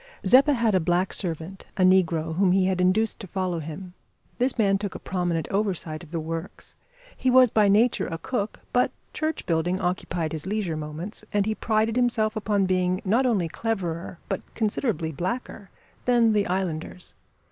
Zeppa had a black servant, a negro, whom he had induced to follow him. This man took a prominent oversight of the works. He was by nature a cook, but church building occupied his leisure moments, and he prided himself upon being not only cleverer, but considerably blacker, than the islanders.